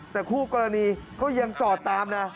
แต่คู่กรณีก็ยังจอดตามนะ